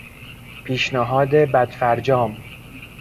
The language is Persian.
پیشنهاد بد فرجام